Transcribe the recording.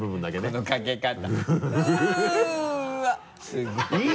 すごい。